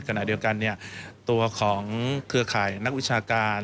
ขณะเดียวกันตัวของเครือข่ายนักวิชาการ